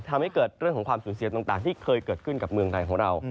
ทำให้เกิดเรื่องของความสูญเสียต่างที่เคยเกิดขึ้นกับเมืองไทยของเรา